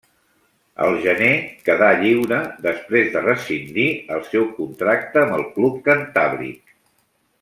Al gener quedà lliure després de rescindir el seu contracte amb el club cantàbric.